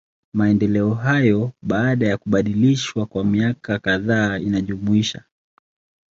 Maendeleo hayo, baada ya kubadilishwa kwa miaka kadhaa inajumuisha.